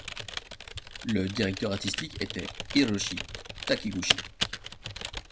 Le directeur artistique était Hiroshi Takiguchi.